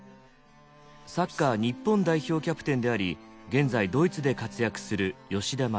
サッカー日本代表キャプテンであり現在ドイツで活躍する吉田麻也。